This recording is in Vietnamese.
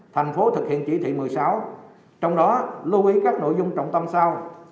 thành phố thực hiện chỉ thị một mươi sáu trong đó lưu ý các nội dung trọng tâm sau